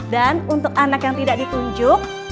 dan untuk anak yang tidak ditunjuk